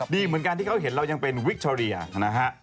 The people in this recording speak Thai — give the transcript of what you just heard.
ดีเหมือนกันที่เขาเห็นเรายังเป็นวิคทอเรียนะฮะ